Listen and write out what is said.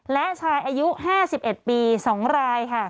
และชายอายุ๕๑ปี๒รายค่ะ